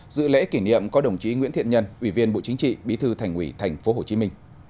dự lễ kỷ niệm có đồng chí nguyễn thiện nhân ủy viên bộ chính trị bí thư thành ủy tp hcm